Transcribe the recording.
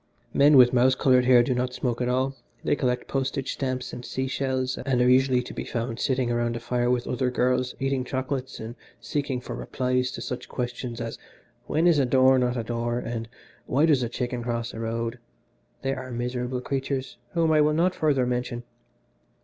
Men with mouse coloured hair do not smoke at all. They collect postage stamps and sea shells, and are usually to be found sitting round a fire with other girls eating chocolates and seeking for replies to such questions as, when is a door not a door? and why does a chicken cross the road? They are miserable creatures whom I will not further mention.